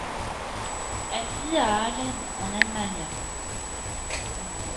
Elle vit à Aalen, en Allemagne.